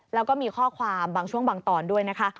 แล้วก็มีข้อความบางช่วงบางตอนด้วยนะคะ